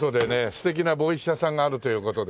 素敵な帽子屋さんがあるという事で。